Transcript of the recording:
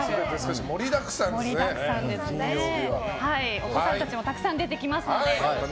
お子さんたちもたくさん出てきますので。